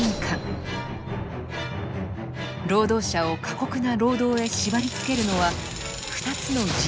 労働者を過酷な労働へ縛りつけるのは２つの自由だったのです。